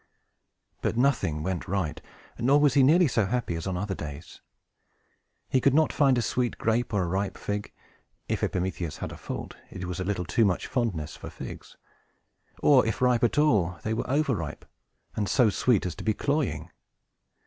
But nothing went right; nor was he nearly so happy as on other days. He could not find a sweet grape or a ripe fig (if Epimetheus had a fault, it was a little too much fondness for figs); or, if ripe at all, they were over ripe, and so sweet as to be cloying.